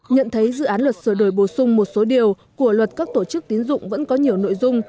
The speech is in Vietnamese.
nhận thấy dự án luật sửa đổi bổ sung một số điều của luật các tổ chức tín dụng vẫn có nhiều nội dung